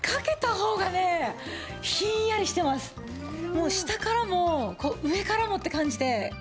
もう下からも上からもって感じで。